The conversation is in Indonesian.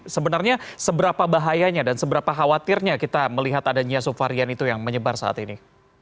sebenarnya seberapa bahayanya dan seberapa khawatirnya kita melihat adanya subvarian itu yang menyebar saat ini